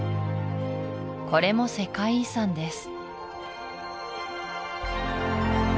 これも世界遺産です